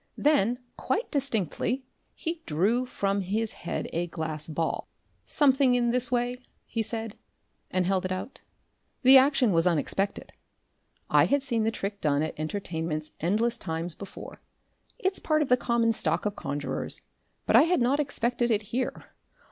Then, quite distinctly, he drew from his head a glass ball. "Something in this way?" he said, and held it out. The action was unexpected. I had seen the trick done at entertainments endless times before it's part of the common stock of conjurers but I had not expected it here.